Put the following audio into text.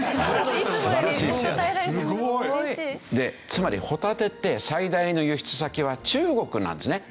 つまりホタテって最大の輸出先は中国なんですね。